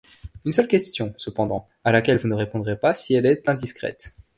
Une seule question, cependant, à laquelle vous ne répondrez pas si elle est indiscrète.